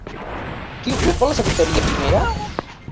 Qui ocupa la secretaria primera?